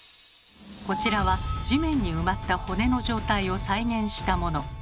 こちらは地面に埋まった骨の状態を再現したもの。